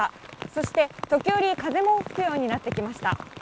そして時折、風も吹くようになってきました。